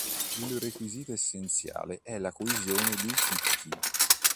Il requisito essenziale è la coesione dei chicchi.